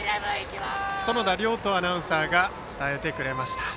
園田遼斗アナウンサーが伝えてくれました。